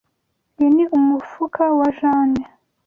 Uyu ni umufuka wa Jane.